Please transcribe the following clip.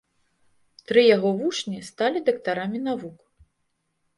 Тры яго вучні сталі дактарамі навук.